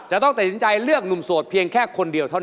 จะต้องตัดสินใจเลือกหนุ่มโสดเพียงแค่คนเดียวเท่านั้น